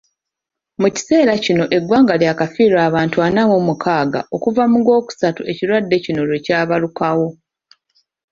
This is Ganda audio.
Mu kiseera kino eggwanga lyakafiirwa abantu ana mu mukaaga okuva mu gw'okusatu ekirwadde kino lwe kyabalukawo.